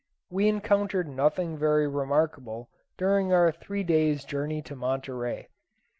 We encountered nothing very remarkable during our three days' journey to Monterey.